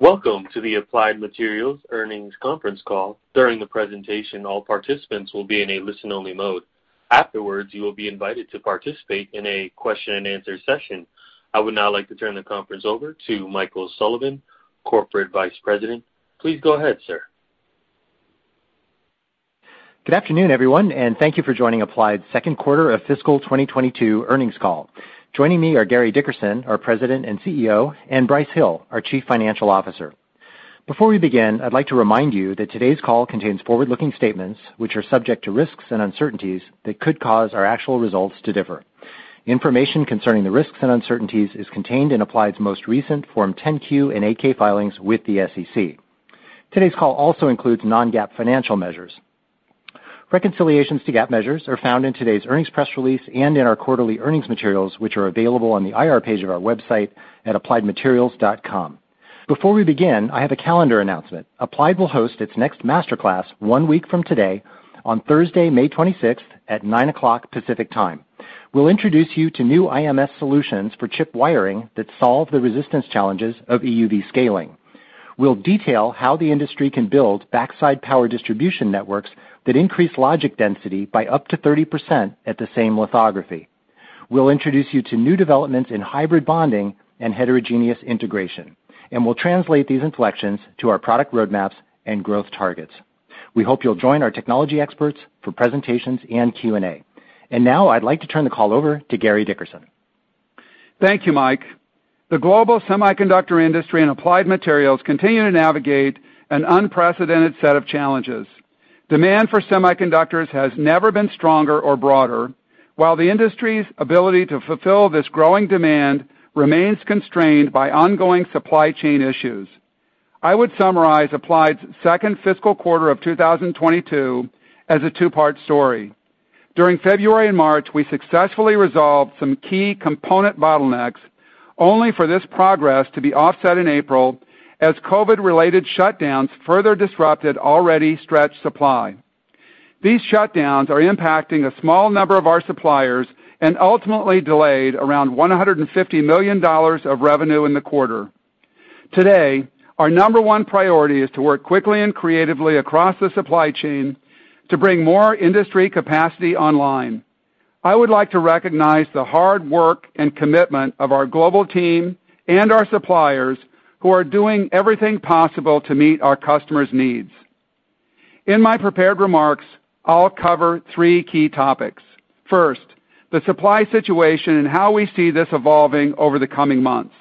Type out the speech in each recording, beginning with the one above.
Welcome to the Applied Materials Earnings Conference Call. During the presentation, all participants will be in a listen-only mode. Afterwards, you will be invited to participate in a question-and-answer session. I would now like to turn the conference over to Michael Sullivan, Corporate Vice President. Please go ahead, sir. Good afternoon, everyone. And thank you for joining Applied's second quarter of fiscal 2022 earnings call. Joining me are Gary Dickerson, our President and CEO, and Brice Hill, our Chief Financial Officer. Before we begin, I'd like to remind you that today's call contains forward-looking statements which are subject to risks and uncertainties that could cause our actual results to differ. Information concerning the risks and uncertainties is contained in Applied's most recent Form 10-Q and 8-K filings with the SEC. Today's call also includes non-GAAP financial measures. Reconciliations to GAAP measures are found in today's earnings press release and in our quarterly earnings materials, which are available on the IR page of our website at appliedmaterials.com. Before we begin, I have a calendar announcement. Applied will host its next Master Class one week from today on Thursday, May 26th at 9:00 A.M. Pacific Time. We'll introduce you to new IMS solutions for chip wiring that solve the resistance challenges of EUV scaling. We'll detail how the industry can build backside power distribution networks that increase logic density by up to 30% at the same lithography. We'll introduce you to new developments in hybrid bonding and heterogeneous integration, and we'll translate these inflections to our product roadmaps and growth targets. We hope you'll join our technology experts for presentations and Q&A. Now I'd like to turn the call over to Gary Dickerson. Thank you, Mike. The global semiconductor industry and Applied Materials continue to navigate an unprecedented set of challenges. Demand for semiconductors has never been stronger or broader, while the industry's ability to fulfill this growing demand remains constrained by ongoing supply chain issues. I would summarize Applied's second fiscal quarter of 2022 as a two-part story. During February and March, we successfully resolved some key component bottlenecks, only for this progress to be offset in April as COVID-related shutdowns further disrupted already stretched supply. These shutdowns are impacting a small number of our suppliers and ultimately delayed around $150 million of revenue in the quarter. Today, our number one priority is to work quickly and creatively across the supply chain to bring more industry capacity online. I would like to recognize the hard work and commitment of our global team and our suppliers who are doing everything possible to meet our customers' needs. In my prepared remarks, I'll cover three key topics. First, the supply situation and how we see this evolving over the coming months.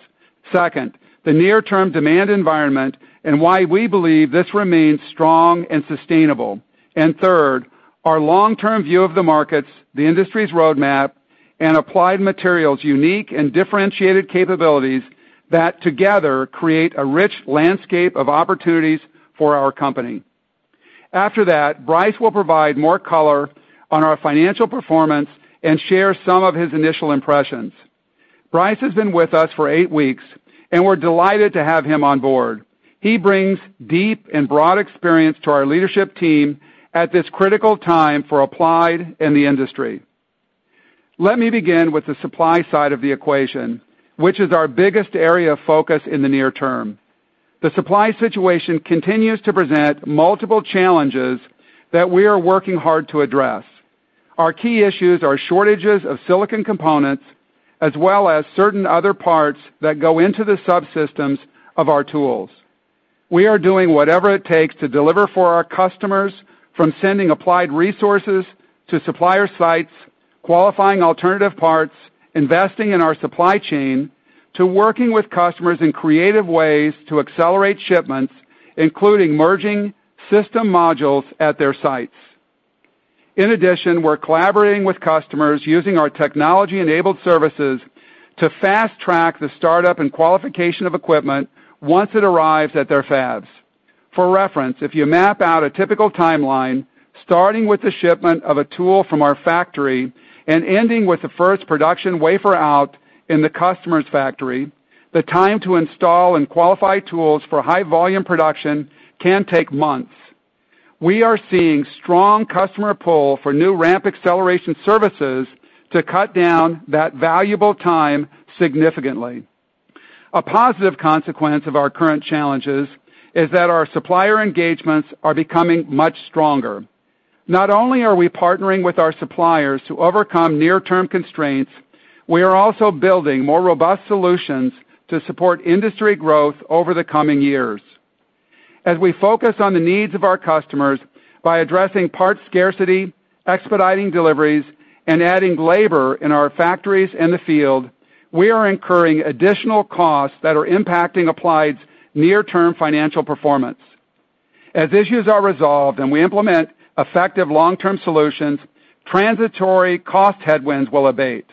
Second, the near-term demand environment and why we believe this remains strong and sustainable. Third, our long-term view of the markets, the industry's roadmap, and Applied Materials' unique and differentiated capabilities that together create a rich landscape of opportunities for our company. After that, Brice will provide more color on our financial performance and share some of his initial impressions. Brice has been with us for eight weeks and we're delighted to have him on board. He brings deep and broad experience to our leadership team at this critical time for Applied and the industry. Let me begin with the supply side of the equation, which is our biggest area of focus in the near term. The supply situation continues to present multiple challenges that we are working hard to address. Our key issues are shortages of silicon components, as well as certain other parts that go into the subsystems of our tools. We are doing whatever it takes to deliver for our customers, from sending Applied resources to supplier sites, qualifying alternative parts, investing in our supply chain, to working with customers in creative ways to accelerate shipments, including merging system modules at their sites. In addition, we're collaborating with customers using our technology-enabled services to fast-track the startup and qualification of equipment once it arrives at their fabs. For reference, if you map out a typical timeline, starting with the shipment of a tool from our factory and ending with the first production wafer out in the customer's factory, the time to install and qualify tools for high-volume production can take months. We are seeing strong customer pull for new ramp acceleration services to cut down that valuable time significantly. A positive consequence of our current challenges is that our supplier engagements are becoming much stronger. Not only are we partnering with our suppliers to overcome near-term constraints, we are also building more robust solutions to support industry growth over the coming years. As we focus on the needs of our customers by addressing parts scarcity, expediting deliveries, and adding labor in our factories in the field, we are incurring additional costs that are impacting Applied's near-term financial performance. As issues are resolved and we implement effective long-term solutions, transitory cost headwinds will abate.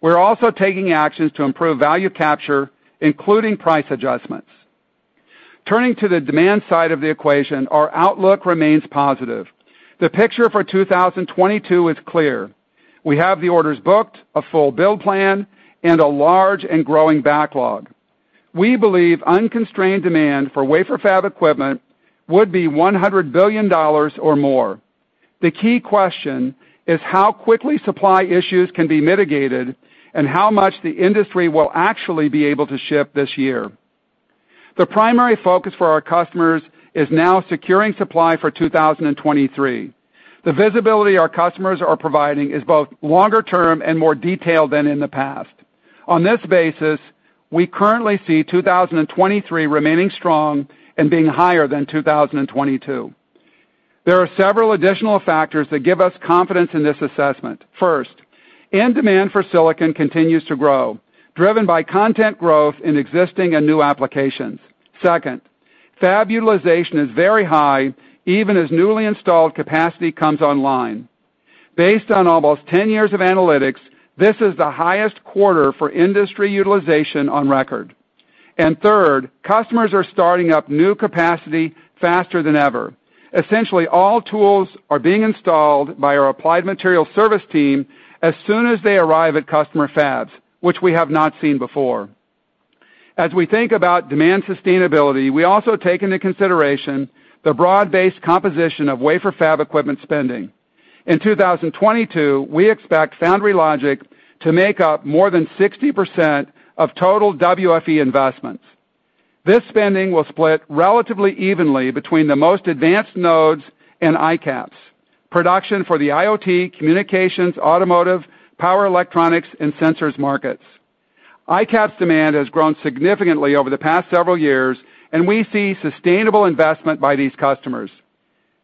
We're also taking actions to improve value capture, including price adjustments. Turning to the demand side of the equation, our outlook remains positive. The picture for 2022 is clear. We have the orders booked, a full build plan, and a large and growing backlog. We believe unconstrained demand for wafer fab equipment would be $100 billion or more. The key question is how quickly supply issues can be mitigated and how much the industry will actually be able to ship this year. The primary focus for our customers is now securing supply for 2023. The visibility our customers are providing is both longer-term and more detailed than in the past. On this basis, we currently see 2023 remaining strong and being higher than 2022. There are several additional factors that give us confidence in this assessment. First, end demand for silicon continues to grow, driven by content growth in existing and new applications. Second, fab utilization is very high, even as newly installed capacity comes online. Based on almost 10 years of analytics, this is the highest quarter for industry utilization on record. Third, customers are starting up new capacity faster than ever. Essentially, all tools are being installed by our Applied Materials service team as soon as they arrive at customer fabs, which we have not seen before. As we think about demand sustainability, we also take into consideration the broad-based composition of wafer fab equipment spending. In 2022, we expect foundry logic to make up more than 60% of total WFE investments. This spending will split relatively evenly between the most advanced nodes and ICAPS, production for the IoT, communications, automotive, power electronics, and sensors markets. ICAPS demand has grown significantly over the past several years, and we see sustainable investment by these customers.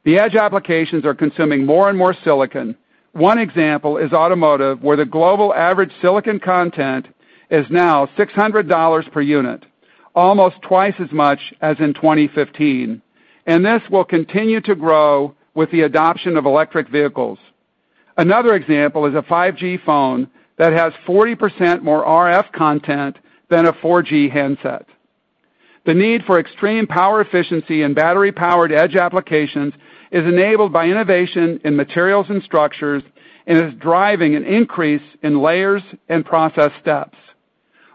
The edge applications are consuming more and more silicon. One example is automotive, where the global average silicon content is now $600 per unit, almost twice as much as in 2015, and this will continue to grow with the adoption of electric vehicles. Another example is a 5G phone that has 40% more RF content than a 4G handset. The need for extreme power efficiency in battery-powered edge applications is enabled by innovation in materials and structures and is driving an increase in layers and process steps.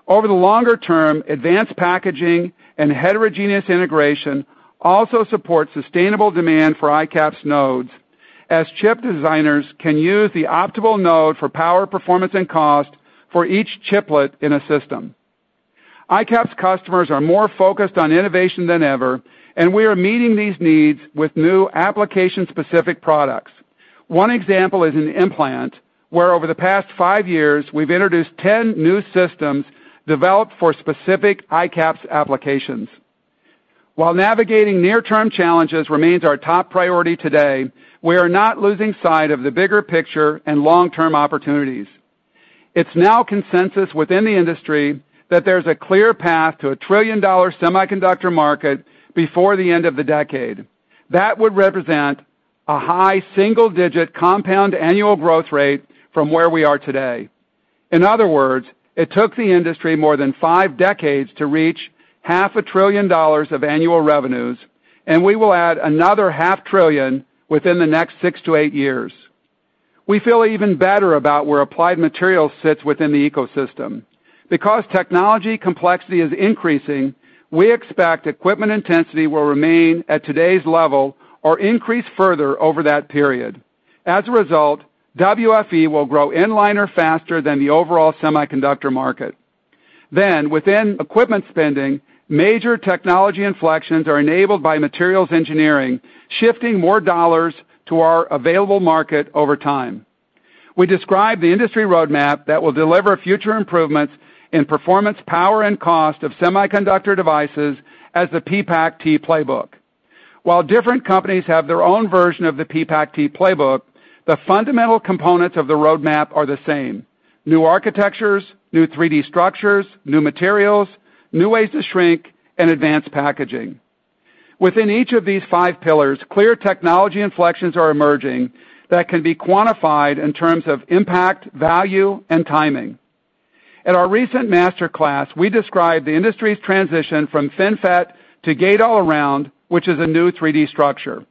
Over the longer term, advanced packaging and heterogeneous integration also support sustainable demand for ICAPS nodes as chip designers can use the optimal node for power, performance, and cost for each chiplet in a system. ICAPS customers are more focused on innovation than ever, and we are meeting these needs with new application-specific products. One example is an implant, where over the past five years we've introduced 10 new systems developed for specific ICAPS applications. While navigating near-term challenges remains our top priority today, we are not losing sight of the bigger picture and long-term opportunities. It's now consensus within the industry that there's a clear path to a trillion-dollar semiconductor market before the end of the decade. That would represent a high single-digit compound annual growth rate from where we are today. In other words, it took the industry more than five decades to reach half a trillion dollars of annual revenues, and we will add another half trillion within the next six to eight years. We feel even better about where Applied Materials sits within the ecosystem. Because technology complexity is increasing, we expect equipment intensity will remain at today's level or increase further over that period. As a result, WFE will grow in line or faster than the overall semiconductor market. Within equipment spending, major technology inflections are enabled by materials engineering, shifting more dollars to our available market over time. We describe the industry roadmap that will deliver future improvements in performance, power, and cost of semiconductor devices as the PPACt playbook. While different companies have their own version of the PPACt playbook, the fundamental components of the roadmap are the same, new architectures, new 3D structures, new materials, new ways to shrink, and advanced packaging. Within each of these five pillars, clear technology inflections are emerging that can be quantified in terms of impact, value, and timing. At our recent master class, we described the industry's transition from FinFET to Gate-All-Around, which is a new 3D structure.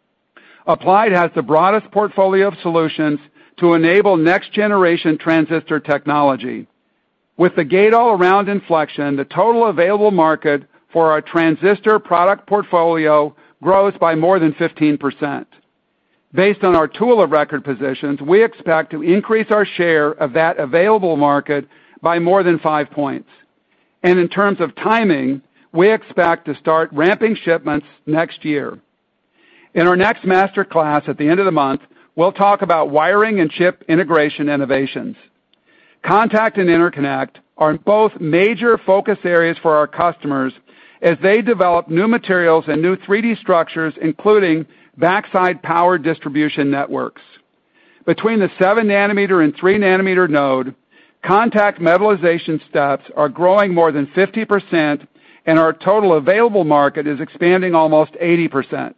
Applied has the broadest portfolio of solutions to enable next-generation transistor technology. With the Gate-All-Around inflection, the total available market for our transistor product portfolio grows by more than 15%. Based on our tool of record positions, we expect to increase our share of that available market by more than five points. In terms of timing, we expect to start ramping shipments next year. In our next master class at the end of the month, we'll talk about wiring and chip integration innovations. Contact and interconnect are both major focus areas for our customers as they develop new materials and new 3D structures, including backside power distribution networks. Between the 7 nm and 3 nm node, contact metallization steps are growing more than 50%, and our total available market is expanding almost 80%.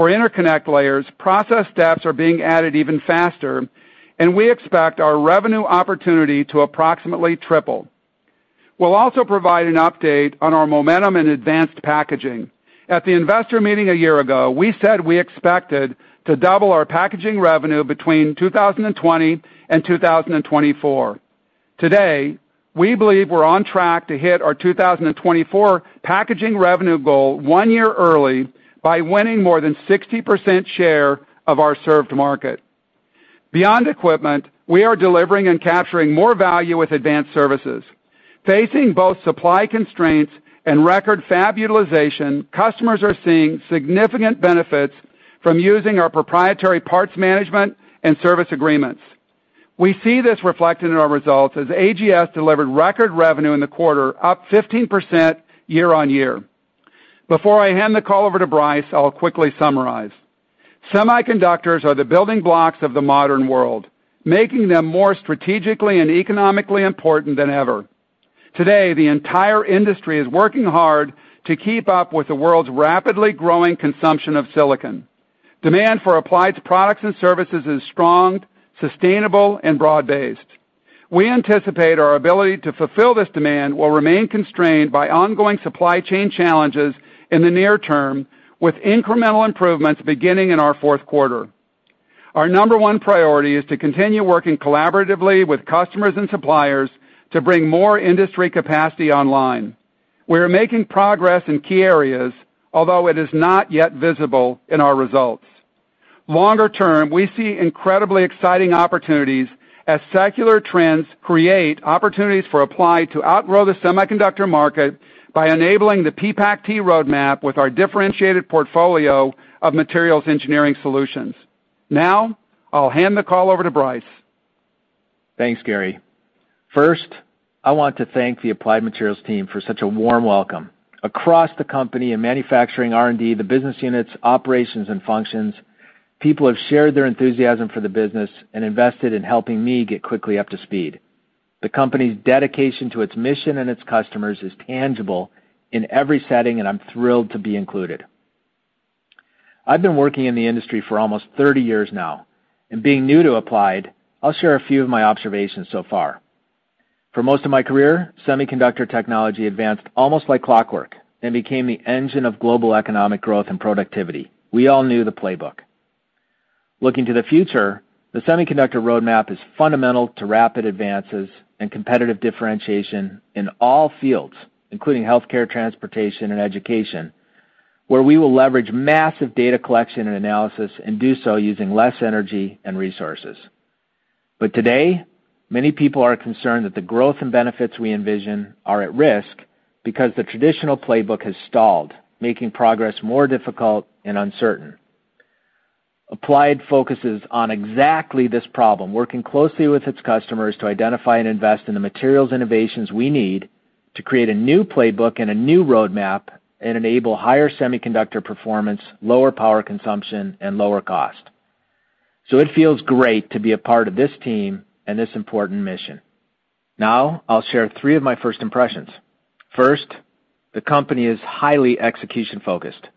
For interconnect layers, process steps are being added even faster and we expect our revenue opportunity to approximately triple. We'll also provide an update on our momentum in advanced packaging. At the investor meeting a year ago, we said we expected to double our packaging revenue between 2020 and 2024. Today, we believe we're on track to hit our 2024 packaging revenue goal one year early by winning more than 60% share of our served market. Beyond equipment, we are delivering and capturing more value with advanced services. Facing both supply constraints and record fab utilization, customers are seeing significant benefits from using our proprietary parts management and service agreements. We see this reflected in our results as AGS delivered record revenue in the quarter, up 15% year-on-year. Before I hand the call over to Brice, I'll quickly summarize. Semiconductors are the building blocks of the modern world, making them more strategically and economically important than ever. Today, the entire industry is working hard to keep up with the world's rapidly growing consumption of silicon. Demand for Applied's products and services is strong, sustainable, and broad-based. We anticipate our ability to fulfill this demand will remain constrained by ongoing supply chain challenges in the near term, with incremental improvements beginning in our fourth quarter. Our number one priority is to continue working collaboratively with customers and suppliers to bring more industry capacity online. We are making progress in key areas, although it is not yet visible in our results. Longer term, we see incredibly exciting opportunities as secular trends create opportunities for Applied to outgrow the semiconductor market by enabling the PPACt roadmap with our differentiated portfolio of materials engineering solutions. Now, I'll hand the call over to Brice. Thanks, Gary. First, I want to thank the Applied Materials team for such a warm welcome. Across the company in manufacturing R&D, the business units, operations, and functions, people have shared their enthusiasm for the business and invested in helping me get quickly up to speed. The company's dedication to its mission and its customers is tangible in every setting, and I'm thrilled to be included. I've been working in the industry for almost 30 years now, and being new to Applied, I'll share a few of my observations so far. For most of my career, semiconductor technology advanced almost like clockwork and became the engine of global economic growth and productivity. We all knew the playbook. Looking to the future, the semiconductor roadmap is fundamental to rapid advances and competitive differentiation in all fields, including healthcare, transportation, and education, where we will leverage massive data collection and analysis and do so using less energy and resources. Today, many people are concerned that the growth and benefits we envision are at risk because the traditional playbook has stalled, making progress more difficult and uncertain. Applied focuses on exactly this problem, working closely with its customers to identify and invest in the materials innovations we need to create a new playbook and a new roadmap and enable higher semiconductor performance, lower power consumption, and lower cost. It feels great to be a part of this team and this important mission. Now I'll share three of my first impressions. First, the company is highly execution-focused.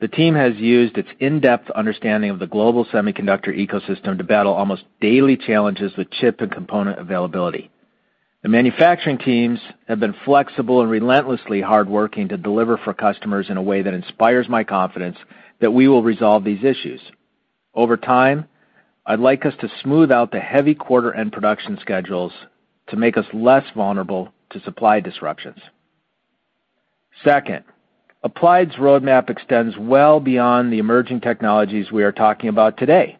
The team has used its in-depth understanding of the global semiconductor ecosystem to battle almost daily challenges with chip and component availability. The manufacturing teams have been flexible and relentlessly hardworking to deliver for customers in a way that inspires my confidence that we will resolve these issues. Over time, I'd like us to smooth out the heavy quarter end production schedules to make us less vulnerable to supply disruptions. Second, Applied's roadmap extends well beyond the emerging technologies we are talking about today,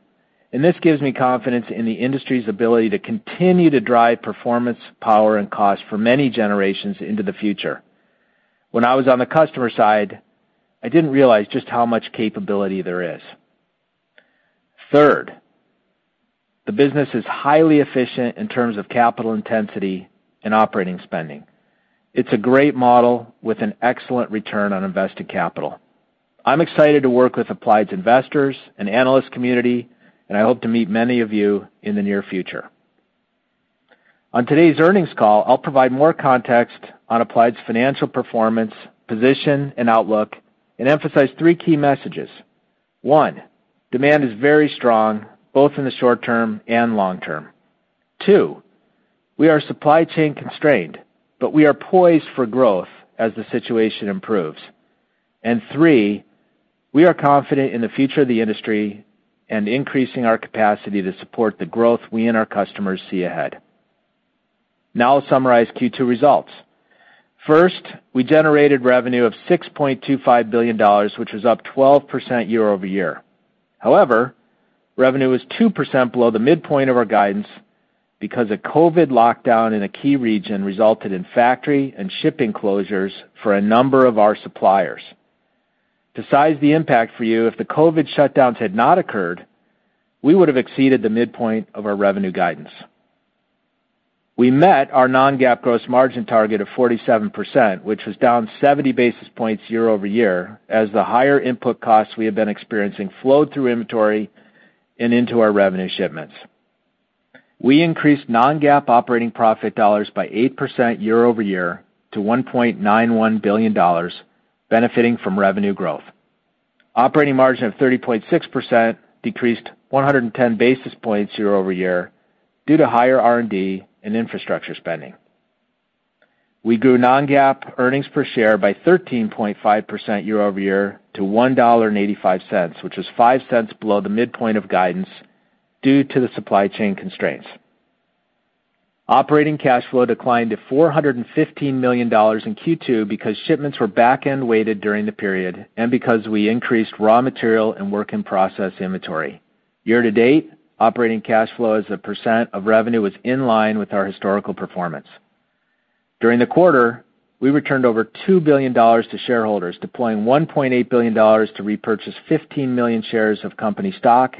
and this gives me confidence in the industry's ability to continue to drive performance, power, and cost for many generations into the future. When I was on the customer side, I didn't realize just how much capability there is. Third, the business is highly efficient in terms of capital intensity and operating spending. It's a great model with an excellent return on invested capital. I'm excited to work with Applied's investors and analyst community, and I hope to meet many of you in the near future. On today's earnings call, I'll provide more context on Applied's financial performance, position, and outlook and emphasize three key messages. One, demand is very strong, both in the short term and long term. Two, we are supply chain constrained, but we are poised for growth as the situation improves. Three, we are confident in the future of the industry and increasing our capacity to support the growth we and our customers see ahead. Now I'll summarize Q2 results. First, we generated revenue of $6.25 billion, which was up 12% year-over-year. However, revenue was 2% below the midpoint of our guidance because a COVID lockdown in a key region resulted in factory and shipping closures for a number of our suppliers. To size the impact for you, if the COVID shutdowns had not occurred, we would have exceeded the midpoint of our revenue guidance. We met our non-GAAP gross margin target of 47%, which was down 70 basis points year-over-year, as the higher input costs we have been experiencing flowed through inventory and into our revenue shipments. We increased non-GAAP operating profit dollars by 8% year-over-year to $1.91 billion, benefiting from revenue growth. Operating margin of 30.6% decreased 110 basis points year-over-year due to higher R&D and infrastructure spending. We grew non-GAAP earnings per share by 13.5% year-over-year to $1.85, which was $0.05 below the midpoint of guidance due to the supply chain constraints. Operating cash flow declined to $415 million in Q2 because shipments were back-end weighted during the period, and because we increased raw material and work in process inventory. Year-to-date operating cash flow as a percent of revenue was in line with our historical performance. During the quarter, we returned over $2 billion to shareholders, deploying $1.8 billion to repurchase 15 million shares of company stock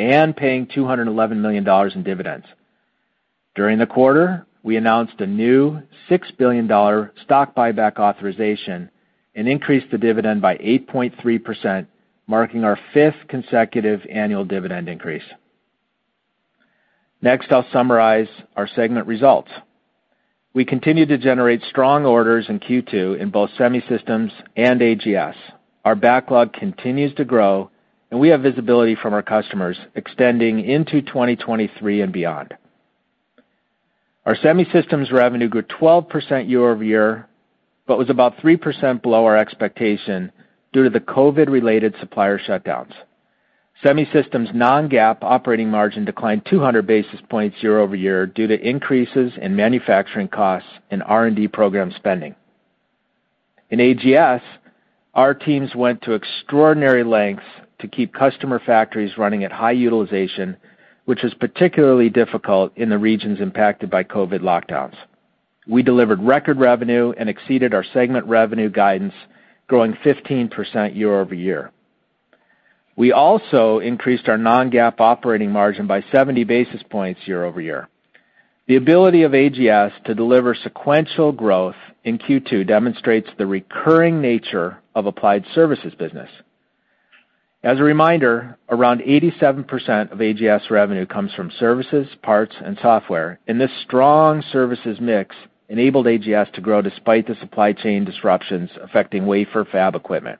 and paying $211 million in dividends. During the quarter, we announced a new $6 billion stock buyback authorization and increased the dividend by 8.3%, marking our fifth consecutive annual dividend increase. Next, I'll summarize our segment results. We continued to generate strong orders in Q2 in both Semi Systems and AGS. Our backlog continues to grow, and we have visibility from our customers extending into 2023 and beyond. Our Semi Systems revenue grew 12% year-over-year, but was about 3% below our expectation due to the COVID-related supplier shutdowns. Semi Systems non-GAAP operating margin declined 200 basis points year-over-year due to increases in manufacturing costs and R&D program spending. In AGS, our teams went to extraordinary lengths to keep customer factories running at high utilization, which was particularly difficult in the regions impacted by COVID lockdowns. We delivered record revenue and exceeded our segment revenue guidance, growing 15% year-over-year. We also increased our non-GAAP operating margin by 70 basis points year-over-year. The ability of AGS to deliver sequential growth in Q2 demonstrates the recurring nature of Applied's services business. As a reminder, around 87% of AGS revenue comes from services, parts, and software, and this strong services mix enabled AGS to grow despite the supply chain disruptions affecting wafer fab equipment.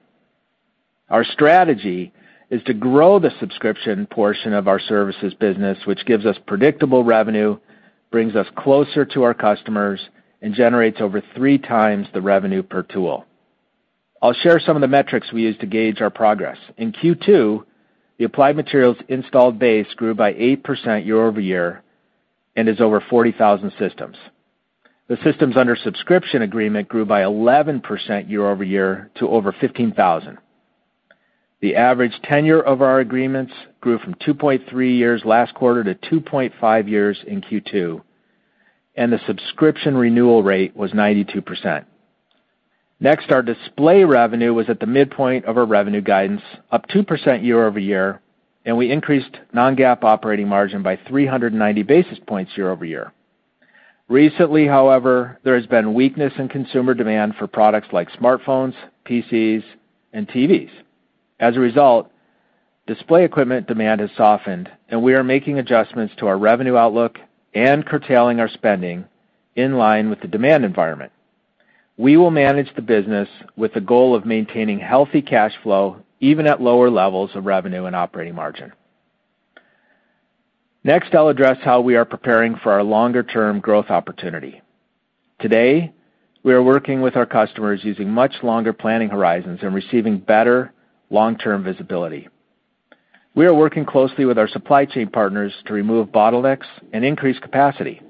Our strategy is to grow the subscription portion of our services business, which gives us predictable revenue, brings us closer to our customers, and generates over three times the revenue per tool. I'll share some of the metrics we use to gauge our progress. In Q2, the Applied Materials installed base grew by 8% year-over-year and is over 40,000 systems. The systems under subscription agreement grew by 11% year-over-year to over 15,000. The average tenure of our agreements grew from 2.3 years last quarter to 2.5 years in Q2, and the subscription renewal rate was 92%. Next, our display revenue was at the midpoint of our revenue guidance, up 2% year-over-year, and we increased non-GAAP operating margin by 390 basis points year-over-year. Recently, however, there has been weakness in consumer demand for products like smartphones, PCs, and TVs. As a result, display equipment demand has softened, and we are making adjustments to our revenue outlook and curtailing our spending in line with the demand environment. We will manage the business with the goal of maintaining healthy cash flow, even at lower levels of revenue and operating margin. Next, I'll address how we are preparing for our longer-term growth opportunity. Today, we are working with our customers using much longer planning horizons and receiving better long-term visibility. We are working closely with our supply chain partners to remove bottlenecks and increase capacity,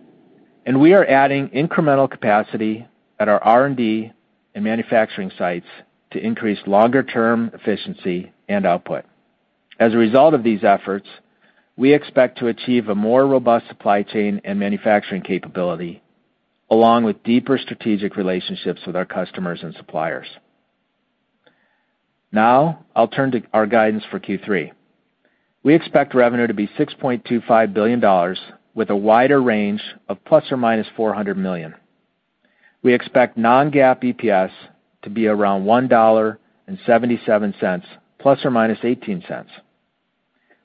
and we are adding incremental capacity at our R&D and manufacturing sites to increase longer-term efficiency and output. As a result of these efforts, we expect to achieve a more robust supply chain and manufacturing capability, along with deeper strategic relationships with our customers and suppliers. Now I'll turn to our guidance for Q3. We expect revenue to be $6.25 billion with a wider range of ±$400 million. We expect non-GAAP EPS to be around $1.77, ±$0.18.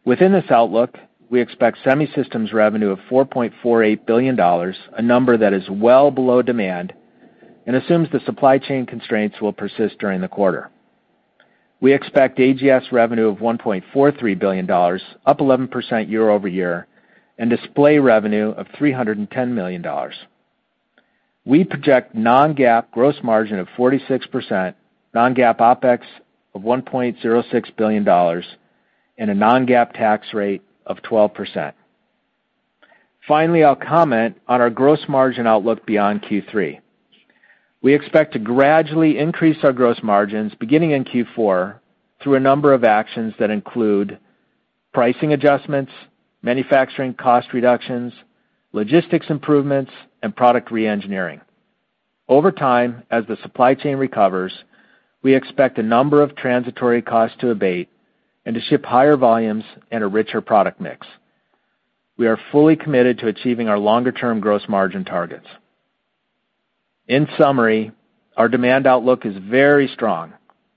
Within this outlook, we expect Semiconductor Systems revenue of $4.48 billion, a number that is well below demand and assumes the supply chain constraints will persist during the quarter. We expect AGS revenue of $1.43 billion, up 11% year-over-year, and display revenue of $310 million. We project non-GAAP gross margin of 46%, non-GAAP OpEx of $1.06 billion, and a non-GAAP tax rate of 12%. Finally, I'll comment on our gross margin outlook beyond Q3. We expect to gradually increase our gross margins beginning in Q4 through a number of actions that include pricing adjustments, manufacturing cost reductions, logistics improvements, and product re-engineering. Over time, as the supply chain recovers, we expect a number of transitory costs to abate and to ship higher volumes at a richer product mix. We are fully committed to achieving our longer-term gross margin targets. In summary, our demand outlook is very strong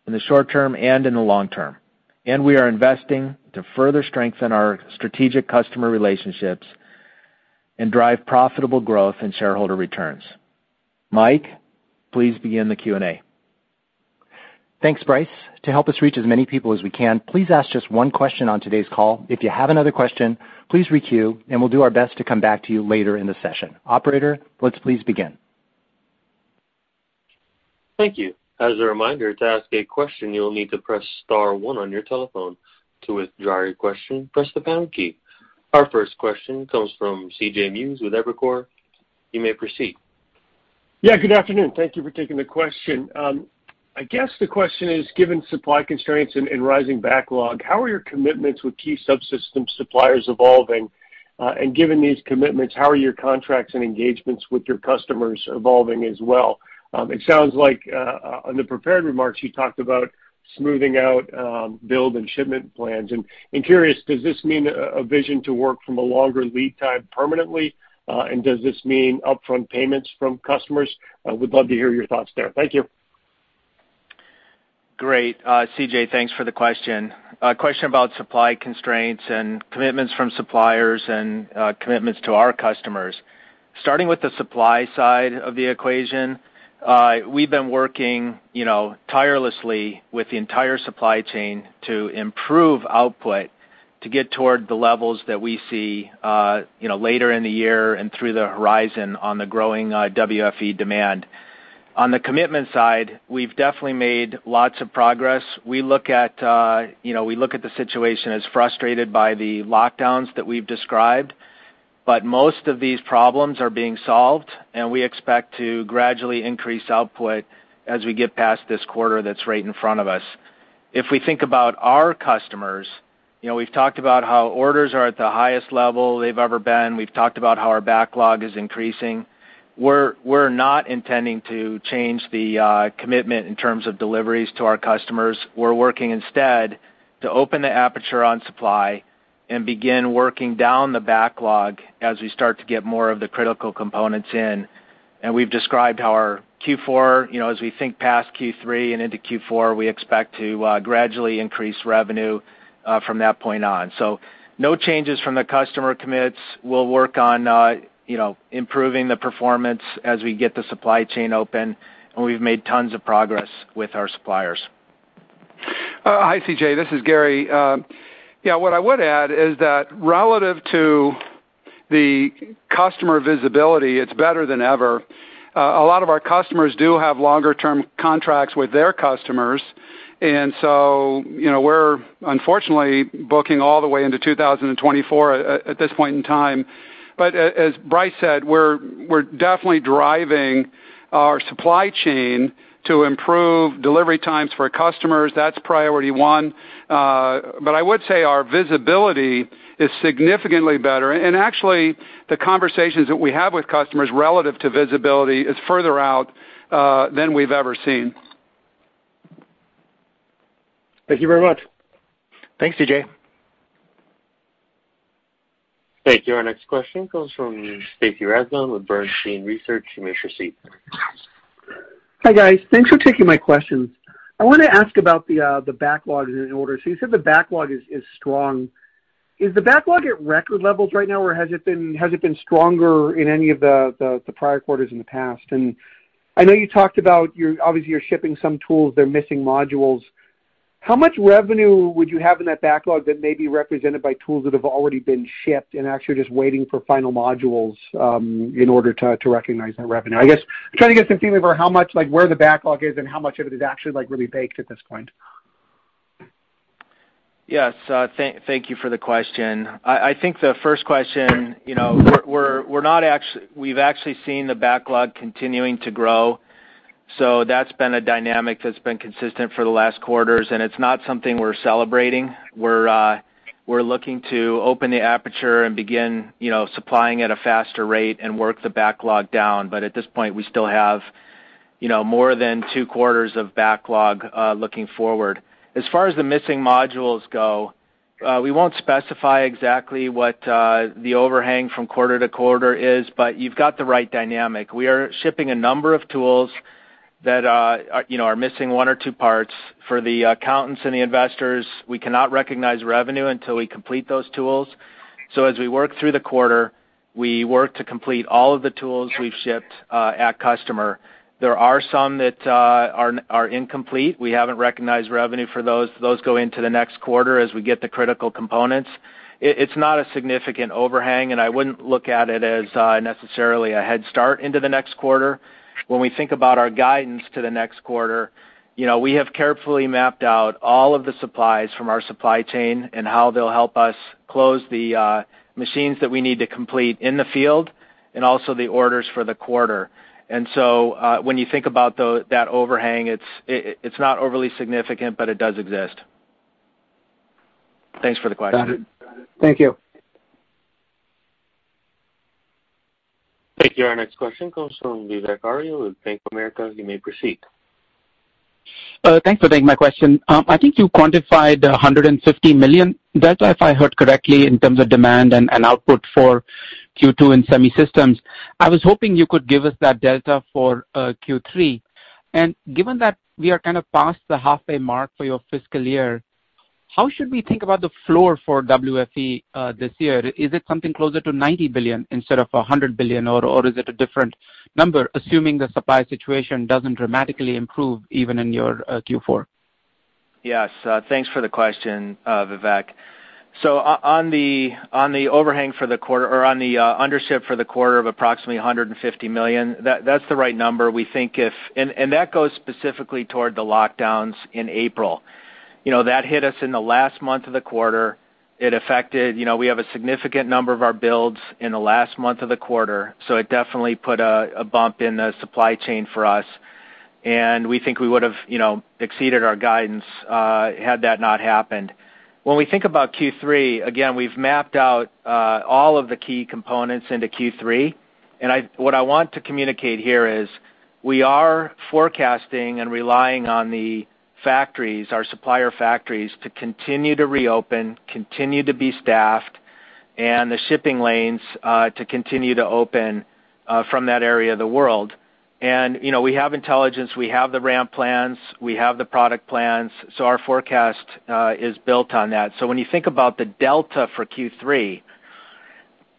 in the short term and in the long term, and we are investing to further strengthen our strategic customer relationships and drive profitable growth and shareholder returns. Mike, please begin the Q&A. Thanks, Brice. To help us reach as many people as we can, please ask just one question on today's call. If you have another question, please re-queue and we'll do our best to come back to you later in the session. Operator, let's please begin. Thank you. As a reminder, to ask a question, you'll need to press star one on your telephone. To withdraw your question, press the pound key. Our first question comes from CJ Muse with Evercore. You may proceed. Yeah, good afternoon. Thank you for taking the question. I guess the question is, given supply constraints and rising backlog, how are your commitments with key subsystem suppliers evolving? And given these commitments, how are your contracts and engagements with your customers evolving as well? It sounds like, on the prepared remarks, you talked about smoothing out build and shipment plans. I'm curious, does this mean a vision to work from a longer lead time permanently? And does this mean upfront payments from customers? I would love to hear your thoughts there. Thank you. Great. CJ, thanks for the question. A question about supply constraints and commitments from suppliers and commitments to our customers. Starting with the supply side of the equation, we've been working, you know, tirelessly with the entire supply chain to improve output to get toward the levels that we see, you know, later in the year and through the horizon on the growing, WFE demand. On the commitment side, we've definitely made lots of progress. We look at, you know, we look at the situation as frustrated by the lockdowns that we've described, but most of these problems are being solved and we expect to gradually increase output as we get past this quarter that's right in front of us. If we think about our customers, you know, we've talked about how orders are at the highest level they've ever been. We've talked about how our backlog is increasing. We're not intending to change the commitment in terms of deliveries to our customers. We're working instead to open the aperture on supply and begin working down the backlog as we start to get more of the critical components in. We've described how our Q4 as we think past Q3 and into Q4, we expect to gradually increase revenue from that point on. No changes from the customer commits. We'll work on improving the performance as we get the supply chain open, and we've made tons of progress with our suppliers. Hi, CJ. This is Gary. Yeah, what I would add is that relative to the customer visibility, it's better than ever. A lot of our customers do have longer term contracts with their customers and so, you know, we're unfortunately booking all the way into 2024 at this point in time. But as Brice said, we're definitely driving our supply chain to improve delivery times for customers. That's priority one. I would say our visibility is significantly better. Actually, the conversations that we have with customers relative to visibility is further out than we've ever seen. Thank you very much. Thanks, CJ. Thank you. Our next question comes from Stacy Rasgon with Bernstein Research. You may proceed. Hi, guys. Thanks for taking my questions. I wanna ask about the backlogs and orders. You said the backlog is strong. Is the backlog at record levels right now, or has it been stronger in any of the prior quarters in the past? I know you talked about obviously you're shipping some tools, they're missing modules. How much revenue would you have in that backlog that may be represented by tools that have already been shipped and actually just waiting for final modules in order to recognize that revenue? I guess I'm trying to get some feeling for how much, like, where the backlog is and how much of it is actually, like, really baked at this point. Yes. Thank you for the question. I think the first question, you know, we've actually seen the backlog continuing to grow, so that's been a dynamic that's been consistent for the last quarters, and it's not something we're celebrating. We're looking to open the aperture and begin, you know, supplying at a faster rate and work the backlog down. At this point, we still have, you know, more than two quarters of backlog looking forward. As far as the missing modules go, we won't specify exactly what the overhang from quarter to quarter is, but you've got the right dynamic. We are shipping a number of tools that, you know, are missing one or two parts. For the accountants and the investors, we cannot recognize revenue until we complete those tools. As we work through the quarter, we work to complete all of the tools we've shipped at customer. There are some that are incomplete. We haven't recognized revenue for those. Those go into the next quarter as we get the critical components. It's not a significant overhang and I wouldn't look at it as necessarily a head start into the next quarter. When we think about our guidance to the next quarter, you know, we have carefully mapped out all of the supplies from our supply chain and how they'll help us close the machines that we need to complete in the field and also the orders for the quarter. When you think about that overhang, it's not overly significant, but it does exist. Thanks for the question. Got it. Thank you. Thank you. Our next question comes from Vivek Arya with Bank of America. You may proceed. Thanks for taking my question. I think you quantified $150 million delta, if I heard correctly, in terms of demand and output for Q2 in Semiconductor Systems. I was hoping you could give us that delta for Q3. Given that we are kind of past the halfway mark for your fiscal year. How should we think about the floor for WFE this year? Is it something closer to $90 billion instead of $100 billion? Or is it a different number, assuming the supply situation doesn't dramatically improve even in your Q4? Yes. Thanks for the question, Vivek. On the overhang for the quarter or on the under-ship for the quarter of approximately $150 million, that's the right number. That goes specifically toward the lockdowns in April. You know, that hit us in the last month of the quarter. It affected. You know, we have a significant number of our builds in the last month of the quarter, so it definitely put a bump in the supply chain for us. We think we would have, you know, exceeded our guidance had that not happened. When we think about Q3, again, we've mapped out all of the key components into Q3. What I want to communicate here is we are forecasting and relying on the factories, our supplier factories, to continue to reopen, continue to be staffed, and the shipping lanes to continue to open from that area of the world. You know, we have intelligence, we have the ramp plans, we have the product plans, so our forecast is built on that. When you think about the delta for Q3,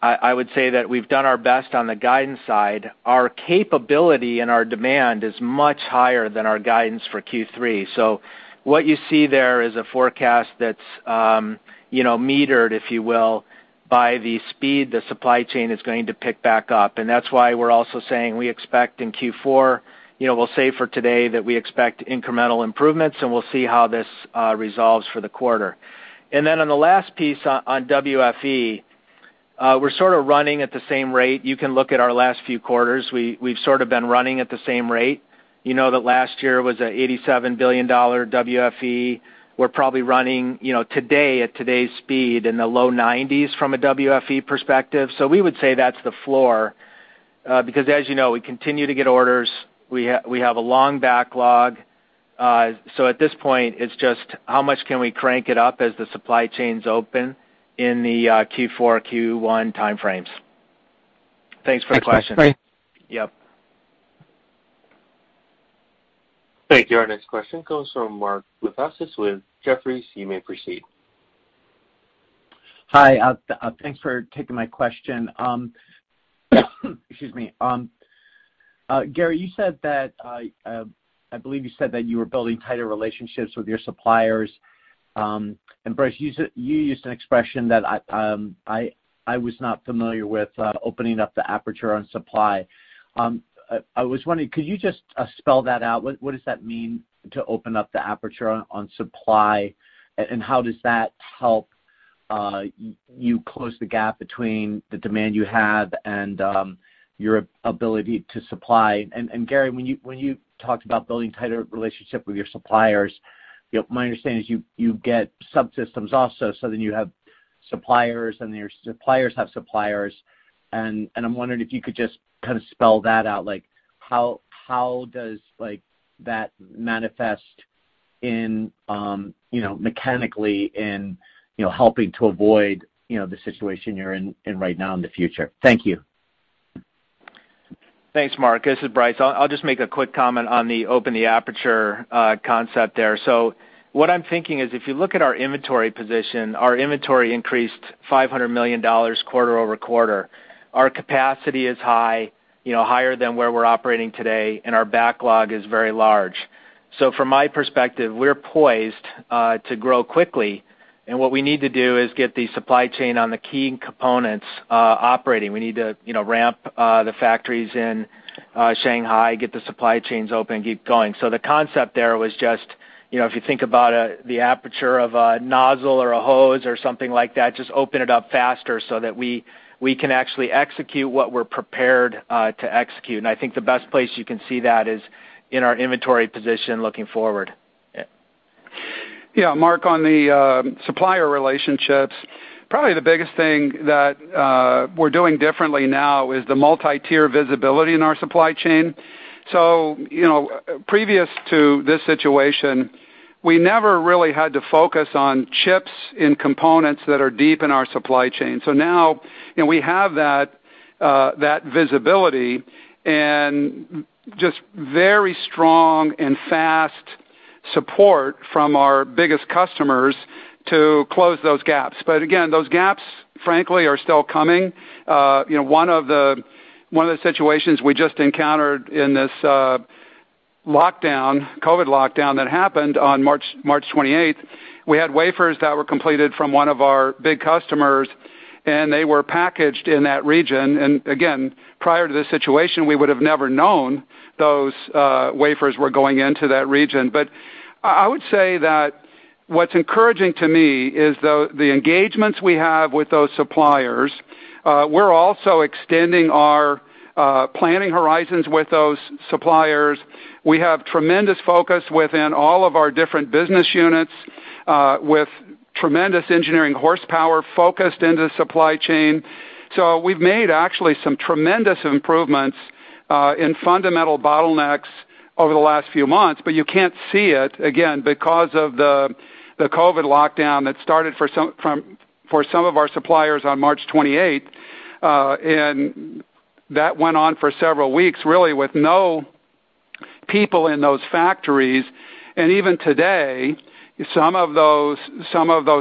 I would say that we've done our best on the guidance side. Our capability and our demand is much higher than our guidance for Q3. What you see there is a forecast that's, you know, metered, if you will, by the speed the supply chain is going to pick back up. That's why we're also saying we expect in Q4, you know, we'll say for today that we expect incremental improvements and we'll see how this resolves for the quarter. Then on the last piece on WFE, we're sort of running at the same rate. You can look at our last few quarters, we've sort of been running at the same rate. You know that last year was an $87 billion WFE. We're probably running, you know, today, at today's speed, in the low $90s from a WFE perspective. So we would say that's the floor, because as you know, we continue to get orders. We have a long backlog. So at this point, it's just how much can we crank it up as the supply chains open in the Q4, Q1 time frames. Thanks for the question. Thanks. Yep. Thank you. Our next question comes from Mark Lipacis with Jefferies. You may proceed. Hi. Thanks for taking my question. Excuse me. Gary, I believe you said that you were building tighter relationships with your suppliers. Brice, you used an expression that I was not familiar with, opening up the aperture on supply. I was wondering, could you just spell that out? What does that mean to open up the aperture on supply? How does that help you close the gap between the demand you have and your ability to supply? Gary, when you talked about building tighter relationship with your suppliers, you know, my understanding is you get subsystems also, so then you have suppliers, and your suppliers have suppliers. I'm wondering if you could just kind of spell that out. Like, how does like, that manifest in, you know, mechanically in, you know, helping to avoid, you know, the situation you're in right now in the future? Thank you. Thanks, Mark. This is Brice. I'll just make a quick comment on opening the aperture concept there. What I'm thinking is if you look at our inventory position, our inventory increased $500 million quarter-over-quarter. Our capacity is high, you know, higher than where we're operating today and our backlog is very large. From my perspective, we're poised to grow quickly and what we need to do is get the supply chain on the key components operating. We need to, you know, ramp the factories in Shanghai, get the supply chains open, and keep going. The concept there was just, you know, if you think about the aperture of a nozzle or a hose or something like that, just open it up faster so that we can actually execute what we're prepared to execute. I think the best place you can see that is in our inventory position looking forward. Yeah, Mark, on the supplier relationships, probably the biggest thing that we're doing differently now is the multi-tier visibility in our supply chain. You know, previous to this situation, we never really had to focus on chips and components that are deep in our supply chain. Now, you know, we have that visibility and just very strong and fast support from our biggest customers to close those gaps. Again, those gaps, frankly, are still coming. You know, one of the situations we just encountered in this lockdown, COVID lockdown that happened on March 28, we had wafers that were completed from one of our big customers, and they were packaged in that region. Again, prior to this situation, we would have never known those wafers were going into that region. I would say that what's encouraging to me is the engagements we have with those suppliers. We're also extending our planning horizons with those suppliers. We have tremendous focus within all of our different business units with tremendous engineering horsepower focused into the supply chain. We've made actually some tremendous improvements in fundamental bottlenecks over the last few months, but you can't see it, again, because of the COVID lockdown that started for some of our suppliers on March twenty-eighth. That went on for several weeks, really with no people in those factories, and even today, some of those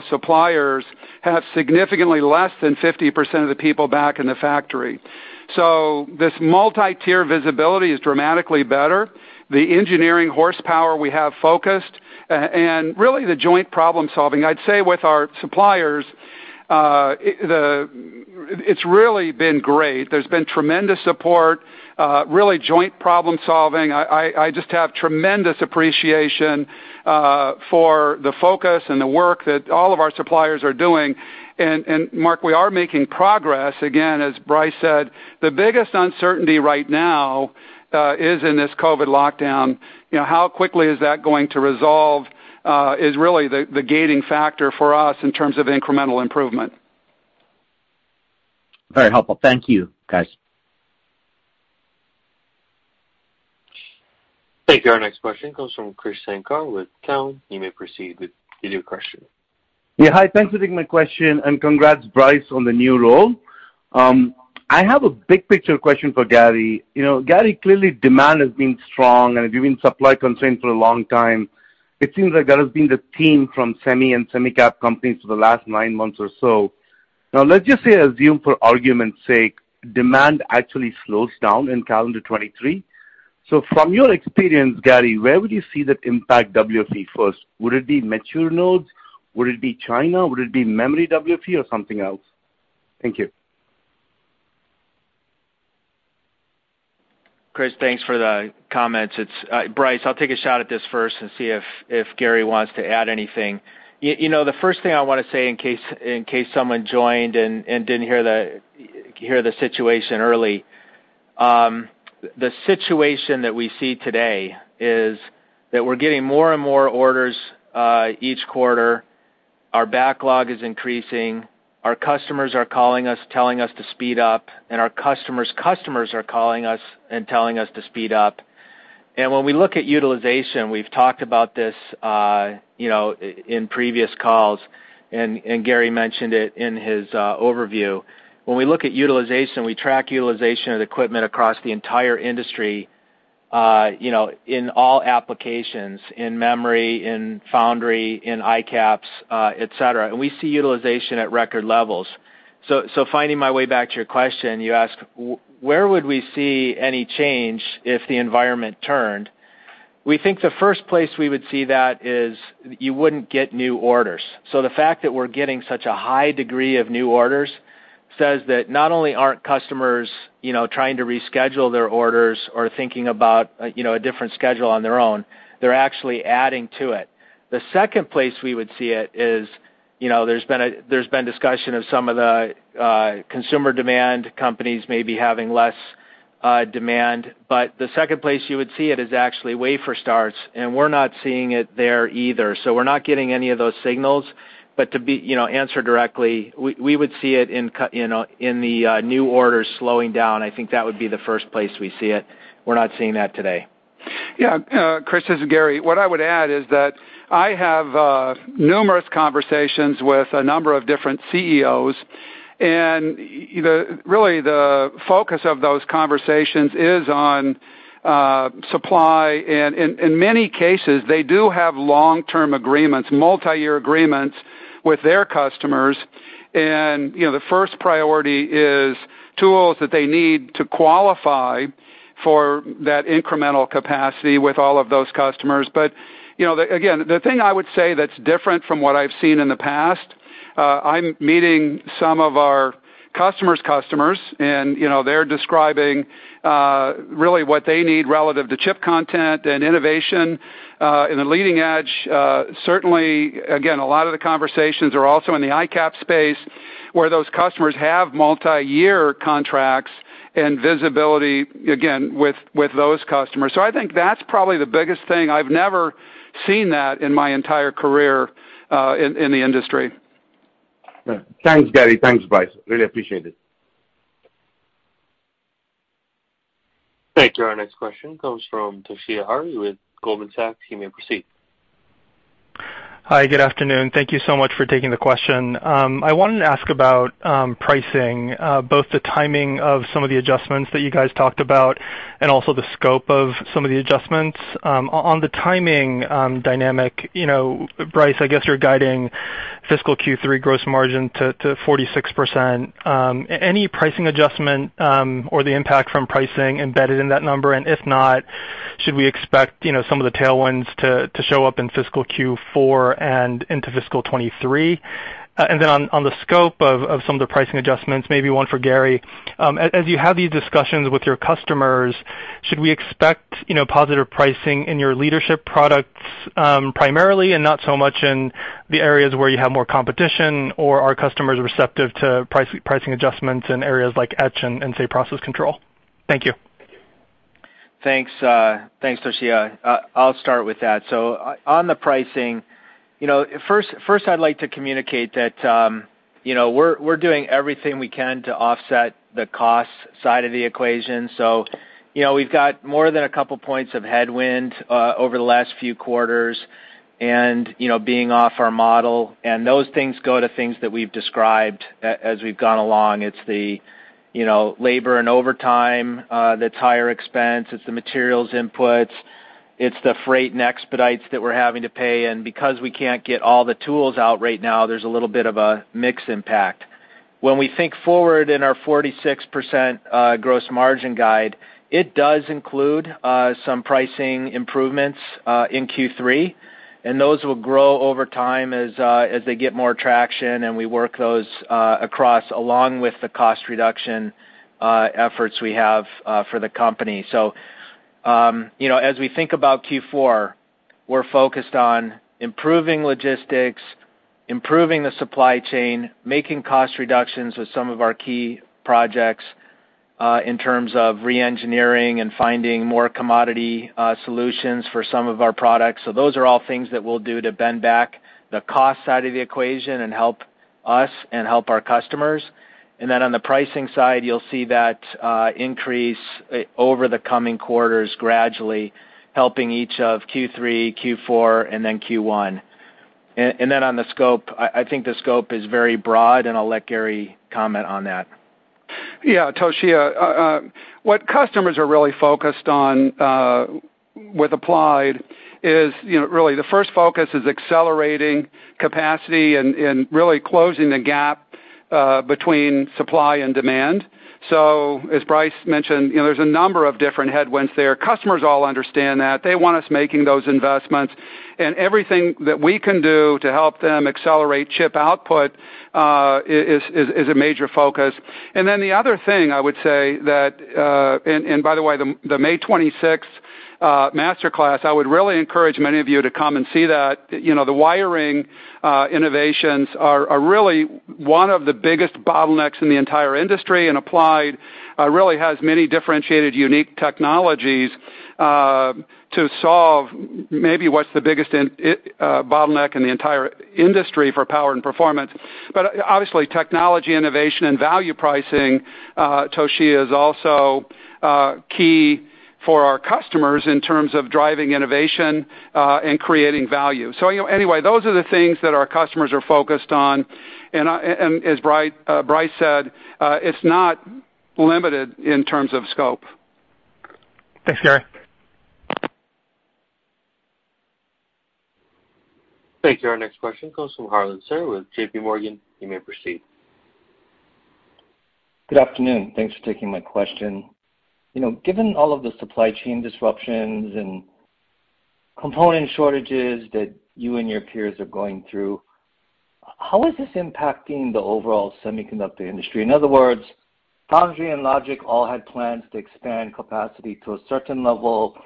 suppliers have significantly less than 50% of the people back in the factory. This multi-tier visibility is dramatically better. The engineering horsepower we have focused and really the joint problem-solving, I'd say with our suppliers, it's really been great. There's been tremendous support, really joint problem-solving. I just have tremendous appreciation for the focus and the work that all of our suppliers are doing. Mark, we are making progress. Again, as Brice said, the biggest uncertainty right now is in this COVID lockdown. You know, how quickly is that going to resolve is really the gating factor for us in terms of incremental improvement. Very helpful. Thank you, guys. Thank you. Our next question comes from Krish Sankar with Cowen. You may proceed with your question. Yeah. Hi, thanks for taking my question and congrats, Brice, on the new role. I have a big picture question for Gary. You know, Gary, clearly demand has been strong, and there's been supply constraint for a long time. It seems like that has been the theme from semi and semi cap companies for the last nine months or so. Now let's just say, assume for argument's sake, demand actually slows down in calendar 2023. From your experience, Gary, where would you see that impact WFE first? Would it be mature nodes? Would it be China? Would it be memory WFE or something else? Thank you. Thanks for the comments. Its Brice, I'll take a shot at this first and see if Gary wants to add anything. You know, the first thing I wanna say in case someone joined and didn't hear the situation early, the situation that we see today is that we're getting more and more orders each quarter. Our backlog is increasing. Our customers are calling us, telling us to speed up, and our customers' customers are calling us and telling us to speed up. When we look at utilization, we've talked about this, you know, in previous calls, and Gary mentioned it in his overview. When we look at utilization, we track utilization of equipment across the entire industry, you know, in all applications, in memory, in foundry, in ICAPS, et cetera, and we see utilization at record levels. Finding my way back to your question, you ask, where would we see any change if the environment turned? We think the first place we would see that is you wouldn't get new orders. The fact that we're getting such a high degree of new orders says that not only aren't customers, you know, trying to reschedule their orders or thinking about, you know, a different schedule on their own, they're actually adding to it. The second place we would see it is, you know, there's been discussion of some of the consumer demand companies maybe having less demand. The second place you would see it is actually wafer starts, and we're not seeing it there either. We're not getting any of those signals. To be, you know, answer directly, we would see it you know, in the new orders slowing down. I think that would be the first place we see it. We're not seeing that today. Yeah. Krish, this is Gary. What I would add is that I have numerous conversations with a number of different CEOs, and really the focus of those conversations is on supply, and in many cases, they do have long-term agreements, multi-year agreements with their customers. You know, the first priority is tools that they need to qualify for that incremental capacity with all of those customers. You know, again, the thing I would say that's different from what I've seen in the past, I'm meeting some of our customers' customers, and you know, they're describing really what they need relative to chip content and innovation in the leading edge. Certainly, again, a lot of the conversations are also in the ICAPS space, where those customers have multi-year contracts and visibility, again, with those customers. I think that's probably the biggest thing. I've never seen that in my entire career, in the industry. Thanks, Gary. Thanks, Brice. Really appreciate it. Thank you. Our next question comes from Toshiya Hari with Goldman Sachs. You may proceed. Hi, good afternoon. Thank you so much for taking the question. I wanted to ask about pricing, both the timing of some of the adjustments that you guys talked about and also the scope of some of the adjustments. On the timing, you know, Brice, I guess you're guiding fiscal Q3 gross margin to 46%. Any pricing adjustment or the impact from pricing embedded in that number? If not, should we expect, you know, some of the tailwinds to show up in fiscal Q4 and into fiscal 2023? On the scope of some of the pricing adjustments, maybe one for Gary. As you have these discussions with your customers, should we expect, you know, positive pricing in your leadership products, primarily and not so much in the areas where you have more competition, or are customers receptive to pricing adjustments in areas like etch and say, process control? Thank you. Thanks. Thanks, Toshiya. I'll start with that. On the pricing, you know, first I'd like to communicate that, you know, we're doing everything we can to offset the cost side of the equation. You know, we've got more than a couple points of headwind over the last few quarters and, you know, being off our model, and those things go to things that we've described as we've gone along. It's the, you know, labor and overtime, that's higher expense, it's the materials inputs, it's the freight and expedites that we're having to pay. Because we can't get all the tools out right now, there's a little bit of a mix impact. When we think forward in our 46% gross margin guide, it does include some pricing improvements in Q3, and those will grow over time as they get more traction and we work those across along with the cost reduction efforts we have for the company. You know, as we think about Q4, we're focused on improving logistics, improving the supply chain, making cost reductions with some of our key projects in terms of re-engineering and finding more commodity solutions for some of our products. Those are all things that we'll do to bend back the cost side of the equation and help us and help our customers. On the pricing side, you'll see that increase over the coming quarters gradually helping each of Q3, Q4, and then Q1. On the scope, I think the scope is very broai and I'll let Gary comment on that. Yeah, Toshiya, what customers are really focused on with Applied is, you know, really the first focus is accelerating capacity and really closing the gap between supply and demand. As Brice mentioned, you know, there's a number of different headwinds there. Customers all understand that. They want us making those investments. Everything that we can do to help them accelerate chip output is a major focus. The other thing I would say that, and by the way, the May 26 master class, I would really encourage many of you to come and see that. You know, the wiring innovations are really one of the biggest bottlenecks in the entire industry. Applied really has many differentiated unique technologies to solve maybe what's the biggest bottleneck in the entire industry for power and performance. Obviously technology innovation and value pricing, Toshiya Hari, is also key for our customers in terms of driving innovation and creating value. You know, anyway, those are the things that our customers are focused on. I-- as Brice said, it's not limited in terms of scope. Thanks, Gary. Thank you. Our next question comes from Harlan Sur with JPMorgan. You may proceed. Good afternoon. Thanks for taking my question. You know, given all of the supply chain disruptions and component shortages that you and your peers are going through, how is this impacting the overall semiconductor industry? In other words, foundry and logic all had plans to expand capacity to a certain level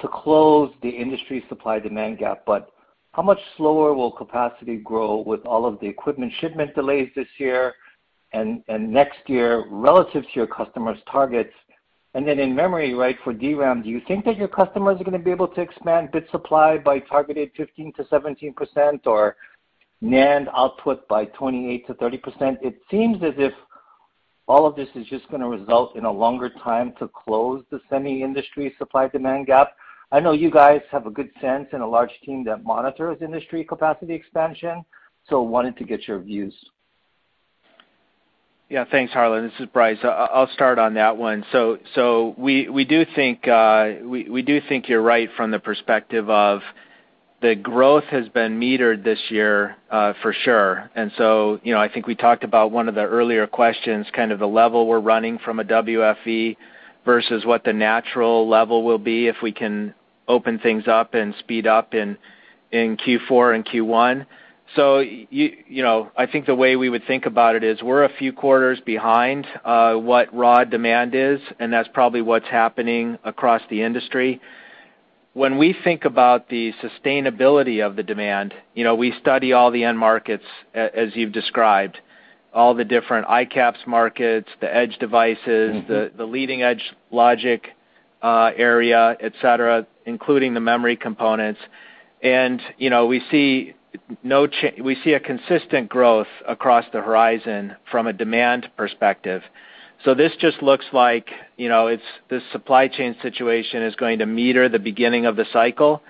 to close the industry supply-demand gap, but how much slower will capacity grow with all of the equipment shipment delays this year and next year relative to your customers' targets? In memory, right, for DRAM, do you think that your customers are gonna be able to expand bit supply by targeted 15%-17% or NAND output by 28%-30%? It seems as if all of this is just gonna result in a longer time to close the semi industry supply-demand gap. I know you guys have a good sense and a large team that monitors industry capacity expansion, so wanted to get your views. Yeah. Thanks, Harlan. This is Brice. I'll start on that one. We do think you're right from the perspective of the growth has been metered this year, for sure. You know, I think we talked about one of the earlier questions, kind of the level we're running from a WFE versus what the natural level will be if we can open things up and speed up in Q4 and Q1. You know, I think the way we would think about it is we're a few quarters behind what raw demand is, and that's probably what's happening across the industry. When we think about the sustainability of the demand, you know, we study all the end markets, as you've described, all the different ICAPS markets, the edge devices. Mm-hmm. The leading edge logic area, etc., including the memory components. You know, we see a consistent growth across the horizon from a demand perspective. This just looks like, you know, it's this supply chain situation is going to meter the beginning of the cycle,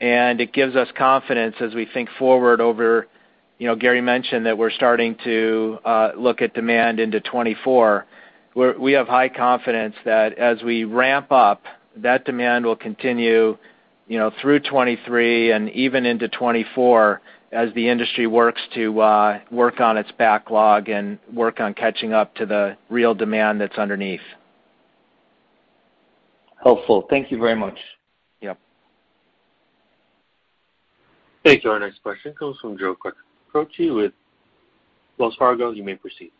and it gives us confidence as we think forward over, you know, Gary mentioned that we're starting to look at demand into 2024. We have high confidence that as we ramp up, that demand will continue, you know, through 2023 and even into 2024 as the industry works to work on its backlog and work on catching up to the real demand that's underneath. Helpful. Thank you very much. Yep. Thank you. Our next question comes from Joe Quatrochi with Wells Fargo. You may proceed.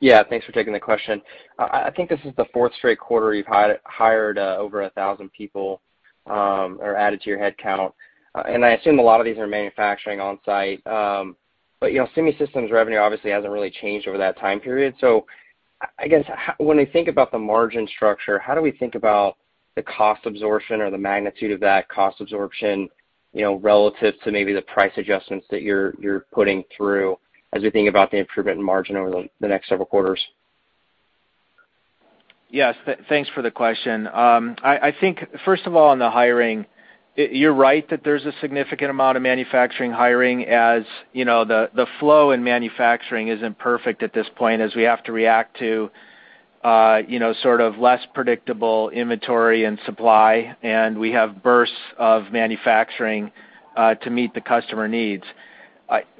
Yeah. Thanks for taking the question. I think this is the fourth straight quarter you've hired over 1,000 people or added to your headcount. I assume a lot of these are manufacturing on-site. You know, Semiconductor Systems revenue obviously hasn't really changed over that time period. I guess, when we think about the margin structure, how do we think about the cost absorption or the magnitude of that cost absorption, you know, relative to maybe the price adjustments that you're putting through as we think about the improvement in margin over the next several quarters? Yes, thanks for the question. I think first of all, on the hiring, you're right that there's a significant amount of manufacturing hiring. As you know, the flow in manufacturing isn't perfect at this point as we have to react to you know sort of less predictable inventory and supply, and we have bursts of manufacturing to meet the customer needs.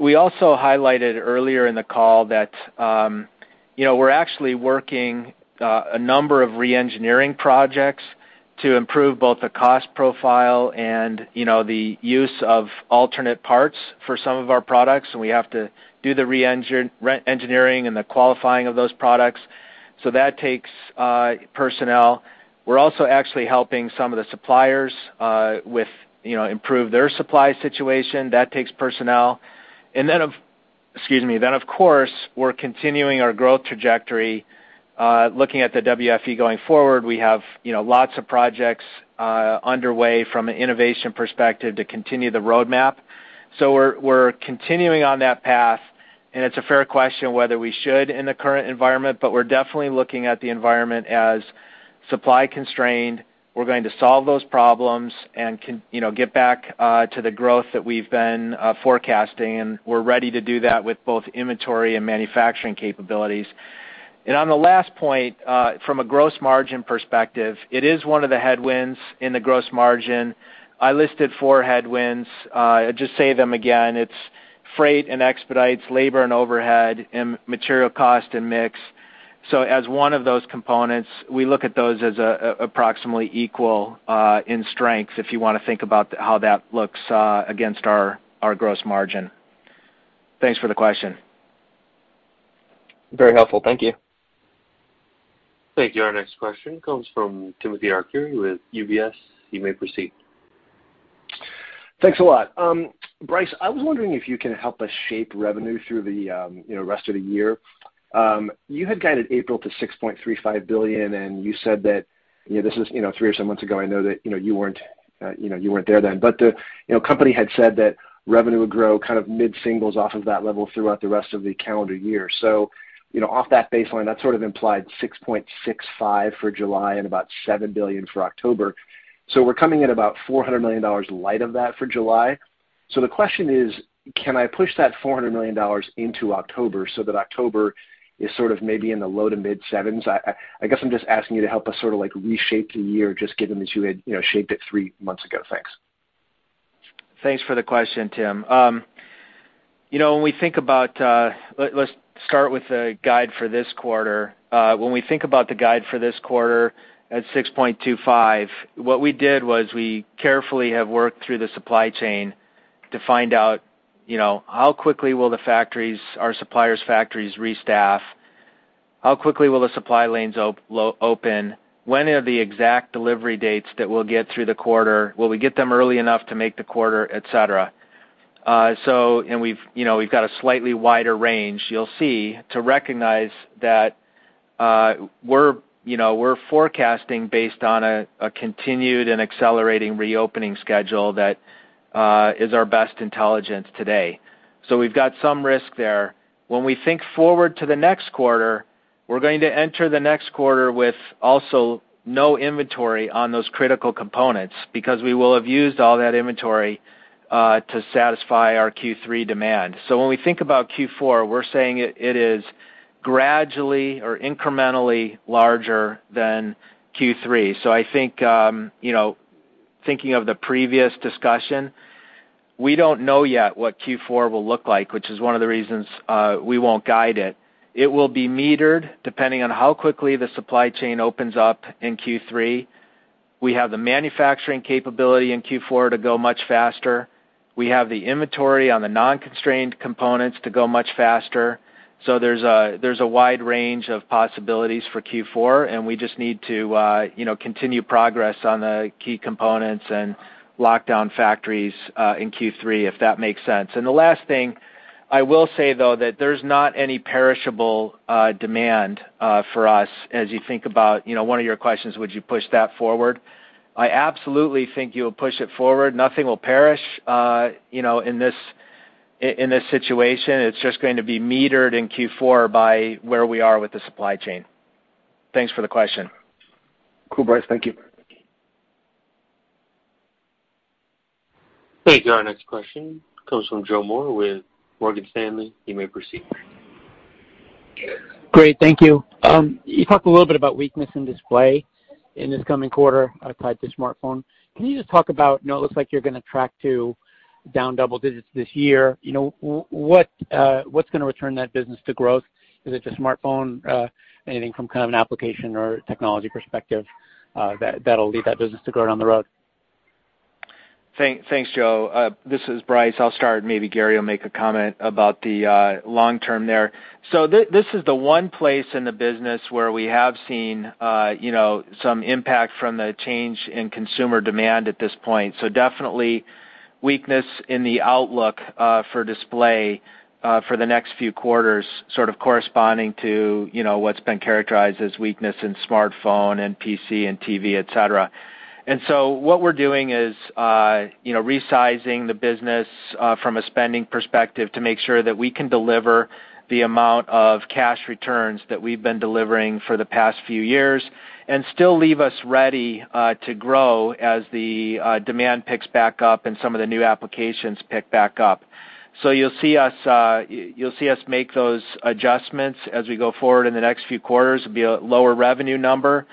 We also highlighted earlier in the call that you know we're actually working a number of re-engineering projects to improve both the cost profile and the use of alternate parts for some of our products, and we have to do the re-engineering and the qualifying of those products. So that takes personnel. We're also actually helping some of the suppliers with you know improve their supply situation. That takes personnel. Of course, we're continuing our growth trajectory. Looking at the WFE going forward, we have, you know, lots of projects, underway from an innovation perspective to continue the roadmap. We're continuing on that path, and it's a fair question whether we should in the current environment, but we're definitely looking at the environment as supply-constrained. We're going to solve those problems and you know, get back to the growth that we've been forecasting, and we're ready to do that with both inventory and manufacturing capabilities. On the last point, from a gross margin perspective, it is one of the headwinds in the gross margin. I listed four headwinds. I'll just say them again. It's freight and expedites, labor and overhead, and material cost and mix. As one of those components, we look at those as approximately equal in strength if you wanna think about how that looks against our gross margin. Thanks for the question. Very helpful. Thank you. Thank you. Our next question comes from Timothy Arcuri with UBS. You may proceed. Thanks a lot. Brice, I was wondering if you can help us shape revenue through the, you know, rest of the year. You had guided April to $6.35 billion, and you said that, you know, this is, you know, three or so months ago, I know that, you know, you weren't there then. The, you know, company had said that revenue would grow kind of mid-singles off of that level throughout the rest of the calendar year. You know, off that baseline, that sort of implied $6.65 for July and about $7 billion for October. We're coming in about $400 million light of that for July. The question is: Can I push that $400 million into October so that October is sort of maybe in the low to mid sevens? I guess I'm just asking you to help us sort of like reshape the year, just given that you had, you know, shaped it three months ago. Thanks. Thanks for the question, Tim. You know, when we think about, let's start with the guide for this quarter. When we think about the guide for this quarter at $6.25, what we did was we carefully have worked through the supply chain to find out, you know, how quickly will the factories, our suppliers' factories, restaff? How quickly will the supply lines open? When are the exact delivery dates that we'll get through the quarter? Will we get them early enough to make the quarter, et cetera? We've, you know, we've got a slightly wider range, you'll see, to recognize that we're, you know, we're forecasting based on a continued and accelerating reopening schedule that is our best intelligence today. We've got some risk there. When we think forward to the next quarter, we're going to enter the next quarter with also no inventory on those critical components because we will have used all that inventory to satisfy our Q3 demand. When we think about Q4, we're saying it is gradually or incrementally larger than Q3. I think, you know, thinking of the previous discussion, we don't know yet what Q4 will look like, which is one of the reasons we won't guide it. It will be metered depending on how quickly the supply chain opens up in Q3. We have the manufacturing capability in Q4 to go much faster. We have the inventory on the non-constrained components to go much faster. There's a wide range of possibilities for Q4, and we just need to, you know, continue progress on the key components and lock down factories in Q3, if that makes sense. The last thing I will say, though, is that there's not any perishable demand for us as you think about, you know, one of your questions, would you push that forward? I absolutely think you'll push it forward. Nothing will perish, you know, in this situation. It's just going to be metered in Q4 by where we are with the supply chain. Thanks for the question. Cool, Brice. Thank you. Thank you. Our next question comes from Joseph Moore with Morgan Stanley. You may proceed. Great. Thank you. You talked a little bit about weakness in display in this coming quarter, tied to smartphone. Can you just talk about, you know, it looks like you're gonna track to be down double digits this year. You know, what's gonna return that business to growth? Is it the smartphone? Anything from kind of an application or technology perspective, that'll lead that business to grow down the road? Thanks, Joe. This is Brice. I'll start. Maybe Gary will make a comment about the long term there. This is the one place in the business where we have seen, you know, some impact from the change in consumer demand at this point. Definitely weakness in the outlook for display for the next few quarters, sort of corresponding to, you know, what's been characterized as weakness in smartphone and PC and TV, etc,. What we're doing is, you know, resizing the business from a spending perspective to make sure that we can deliver the amount of cash returns that we've been delivering for the past few years and still leave us ready to grow as the demand picks back up and some of the new applications pick back up. You'll see us make those adjustments as we go forward in the next few quarters. It'll be a lower revenue number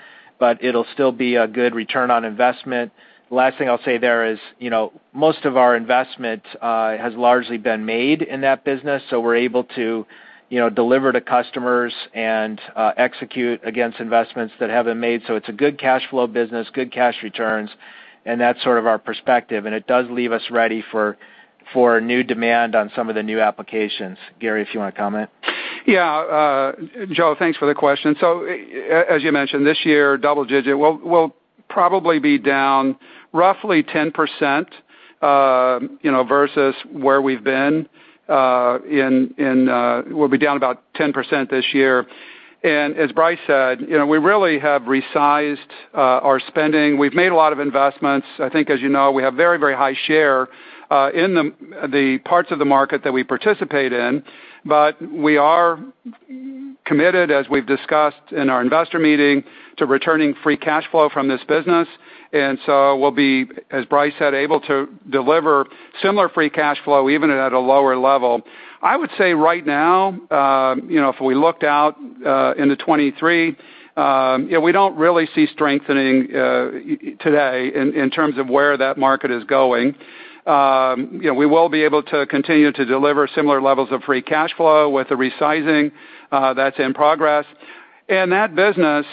but it'll still be a good return on investment. Last thing I'll say there is, you know, most of our investment has largely been made in that business, so we're able to, you know, deliver to customers and execute against investments that haven't made. It's a good cash flow business, good cash returns, and that's sort of our perspective, and it does leave us ready for new demand on some of the new applications. Gary, if you wanna comment. Yeah. Joe, thanks for the question. As you mentioned, this year, double digit. We'll probably be down roughly 10%, you know, versus where we've been. We'll be down about 10% this year. As Brice said, you know, we really have resized our spending. We've made a lot of investments. I think, as you know, we have very, very high share in the parts of the market that we participate in. We are committed, as we've discussed in our investor meeting, to returning free cash flow from this business. We'll be, as Brice said, able to deliver similar free cash flow even at a lower level. I would say right now, you know, if we looked out into 2023, you know, we don't really see strengthening today in terms of where that market is going. You know, we will be able to continue to deliver similar levels of free cash flow with the resizing that's in progress. That business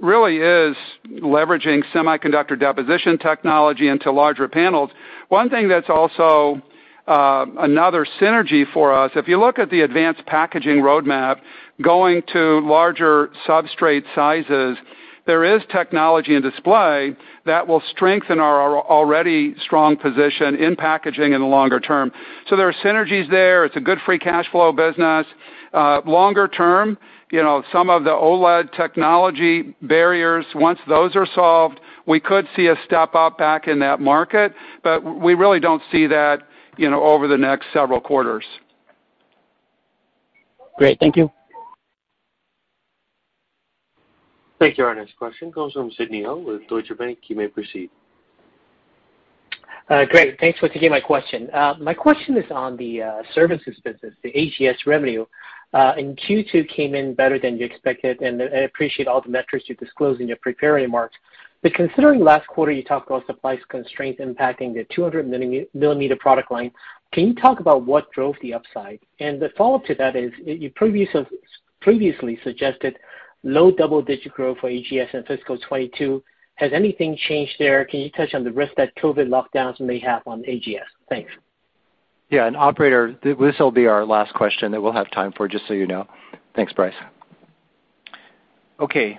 really is leveraging semiconductor deposition technology into larger panels. One thing that's also another synergy for us, if you look at the advanced packaging roadmap going to larger substrate sizes, there is technology in display that will strengthen our already strong position in packaging in the longer term. There are synergies there. It's a good free cash flow business. Longer term, you know, some of the OLED technology barriers, once those are solved, we could see a step up back in that market, but we really don't see that, you know, over the next several quarters. Great. Thank you. Thank you. Our next question comes from Sidney Ho with Deutsche Bank. You may proceed. Great. Thanks once again for my question. My question is on the services business, the AGS revenue. In Q2 came in better than you expected, and I appreciate all the metrics you disclose in your prepared remarks. Considering last quarter you talked about supply constraints impacting the 200 mm product line, can you talk about what drove the upside? The follow-up to that is you previously suggested low double-digit growth for AGS in fiscal 2022. Has anything changed there? Can you touch on the risk that COVID lockdowns may have on AGS? Thanks. Yeah. Operator, this will be our last question that we'll have time for, just so you know. Thanks, Brice. Okay,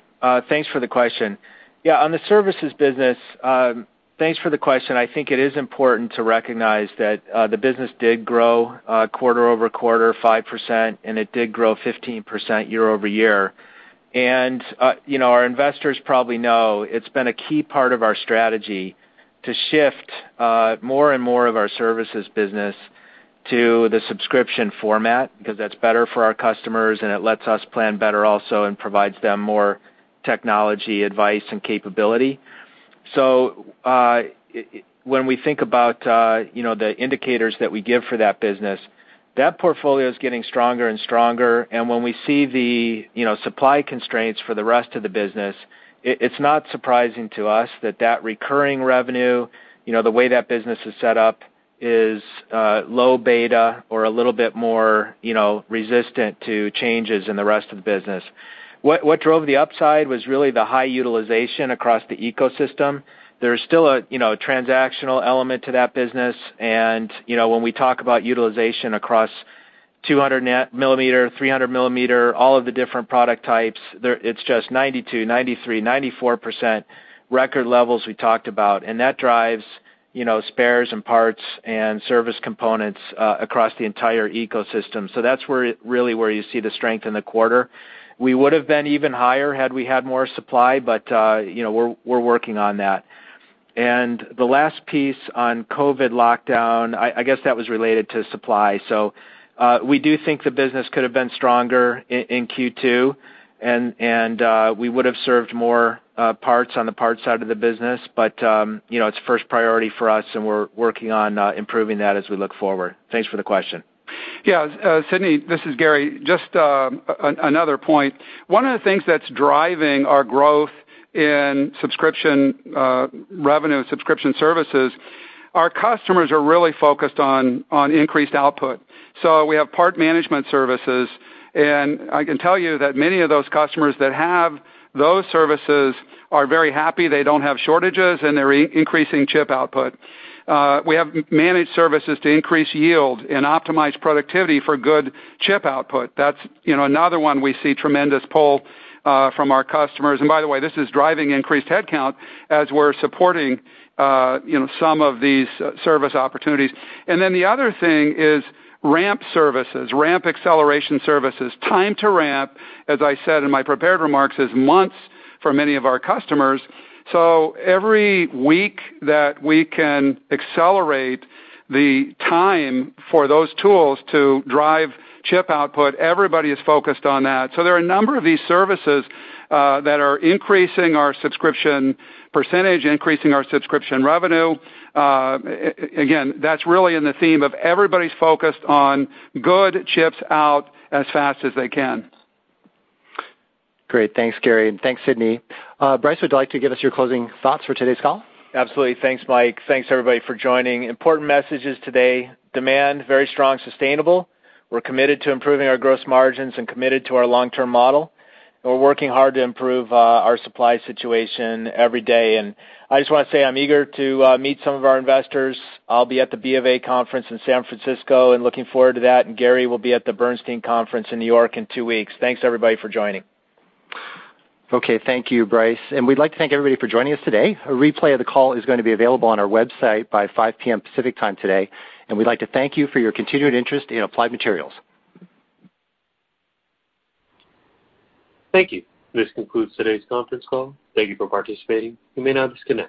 thanks for the question. Yeah, on the services business, thanks for the question. I think it is important to recognize that the business did grow quarter-over-quarter 5%, and it did grow 15% year-over-year. You know, our investors probably know it's been a key part of our strategy to shift more and more of our services business to the subscription format, because that's better for our customers, and it lets us plan better also and provides them more technology advice and capability. When we think about you know, the indicators that we give for that business, that portfolio is getting stronger and stronger. When we see the, you know, supply constraints for the rest of the business, it's not surprising to us that that recurring revenue, you know, the way that business is set up is, low beta or a little bit more, you know, resistant to changes in the rest of the business. What drove the upside was really the high utilization across the ecosystem. There's still a, you know, transactional element to that business. When we talk about utilization across 200 mm, 300 mm, all of the different product types, it's just 92%, 93%, 94% record levels we talked about. That drives, you know, spares and parts and service components, across the entire ecosystem. That's where really where you see the strength in the quarter. We would have been even higher had we had more supply, but you know, we're working on that. The last piece on COVID lockdown, I guess that was related to supply. We do think the business could have been stronger in Q2, and we would have served more parts on the parts side of the business. You know, it's first priority for us, and we're working on improving that as we look forward. Thanks for the question. Yeah. Sidney, this is Gary. Just another point. One of the things that's driving our growth in subscription revenue and subscription services, our customers are really focused on increased output. We have part management services, and I can tell you that many of those customers that have those services are very happy. They don't have shortages, and they're increasing chip output. We have managed services to increase yield and optimize productivity for good chip output. That's, you know, another one we see tremendous pull from our customers. By the way, this is driving increased headcount as we're supporting, you know, some of these service opportunities. The other thing is ramp services, ramp acceleration services. Time to ramp, as I said in my prepared remarks, is months for many of our customers. Every week that we can accelerate the time for those tools to drive chip output, everybody is focused on that. There are a number of these services that are increasing our subscription percentage, increasing our subscription revenue. Again, that's really in the theme of everybody's focused on good chips out as fast as they can. Great. Thanks, Gary. Thanks, Sidney. Brice, would you like to give us your closing thoughts for today's call? Absolutely. Thanks, Mike. Thanks, everybody, for joining. Important messages today. Demand very strong, sustainable. We're committed to improving our gross margins and committed to our long-term model. We're working hard to improve our supply situation every day. I just wanna say I'm eager to meet some of our investors. I'll be at the BofA conference in San Francisco and looking forward to that. Gary will be at the Bernstein conference in New York in two weeks. Thanks, everybody, for joining. Okay, thank you, Brice. We'd like to thank everybody for joining us today. A replay of the call is gonna be available on our website by 5:00 P.M. Pacific Time today. We'd like to thank you for your continued interest in Applied Materials. Thank you. This concludes today's conference call. Thank you for participating. You may now disconnect.